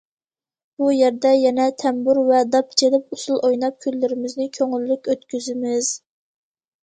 بۇ يەردە يەنە تەمبۇر ۋە داپ چېلىپ ئۇسۇل ئويناپ كۈنلىرىمىزنى كۆڭۈللۈك ئۆتكۈزىمىز.